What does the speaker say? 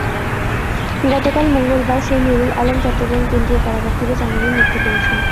গতকাল মঙ্গলবার সেই নুরুল আলম চট্টগ্রাম কেন্দ্রীয় কারাগার থেকে জামিনে মুক্তি পেয়েছেন।